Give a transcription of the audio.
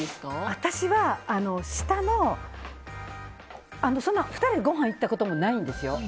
私は２人でごはん行ったこともないんですよ。